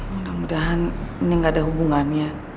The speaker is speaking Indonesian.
mudah mudahan ini gak ada hubungannya